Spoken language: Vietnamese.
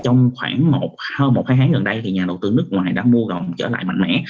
trong khoảng hơn một hai tháng gần đây thì nhà đầu tư nước ngoài đã mua đòn trở lại mạnh mẽ